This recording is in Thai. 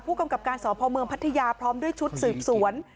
ผู้กำกับการสพพัทยาพร้อมด้วยชุดสืบสวน